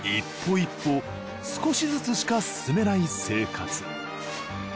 一歩少しずつしか進めない生活。